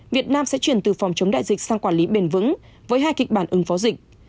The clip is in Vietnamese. việt nam sẽ chuyển từ phòng chống đại dịch sang quản lý bền vững với hai kịch bản ứng phó dịch